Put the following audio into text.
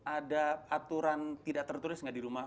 ada aturan tidak tertulis nggak di rumah